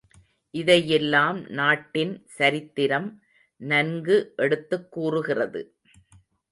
இதையெல்லாம் நாட்டின் சரித்திரம் நன்கு எடுத்துக் கூறுகிறது.